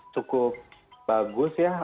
cukup bagus ya